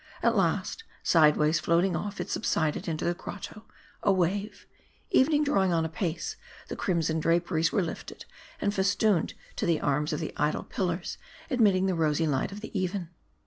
At last, sideways floating off, it subsided into the grotto, a wave. Evening drawing on apace/ the crimson draperies were lifted, and festooned to the arms of the idol pillars, admitting the rosy light of the even.